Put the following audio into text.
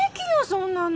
そんなの！